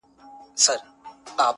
په شاعرۍ کي رياضت غواړمه_